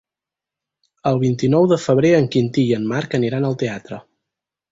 El vint-i-nou de febrer en Quintí i en Marc aniran al teatre.